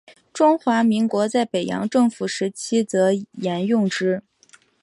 中华民国在北洋政府时期则沿用之。